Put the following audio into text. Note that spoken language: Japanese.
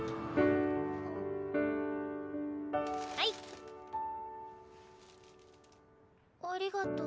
はい！ありがと。